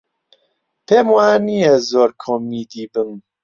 پێم وا نییە زۆر کۆمیدی بم.